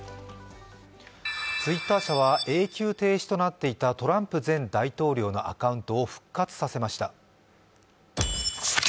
Ｔｗｉｔｔｅｒ社は永久停止となっていたトランプ前大統領のアカウントを復活させました。